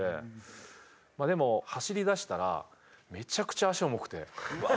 まあでも走りだしたらめちゃくちゃ足重くて。